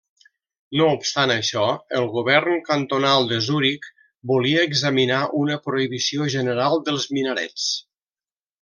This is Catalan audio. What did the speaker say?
No obstant això, el govern cantonal de Zuric volia examinar una prohibició general dels minarets.